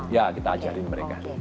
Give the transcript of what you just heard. ya kita ajarin mereka